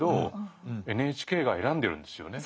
ＮＨＫが選んでるんですよね。